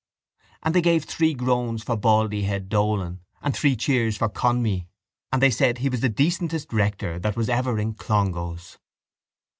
And they gave three groans for Baldyhead Dolan and three cheers for Conmee and they said he was the decentest rector that was ever in Clongowes.